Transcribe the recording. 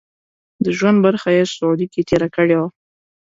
د ژوند برخه یې سعودي کې تېره کړې وه.